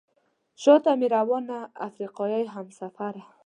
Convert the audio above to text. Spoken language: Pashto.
شاته مې روانه افریقایي همسفره.